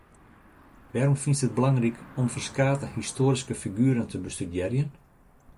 Wêrom fynst it belangryk om ferskate histoaryske figueren te bestudearjen?